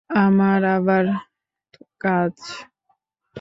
আমার আবার কাজ!